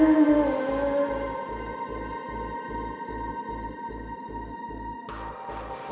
มุ่ง